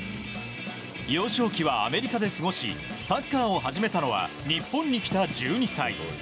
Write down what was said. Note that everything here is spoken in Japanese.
幼少期はアメリカで過ごしサッカーを始めたのは日本に来た１２歳。